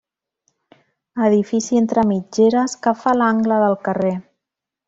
Edifici entre mitgeres que fa l'angle del carrer.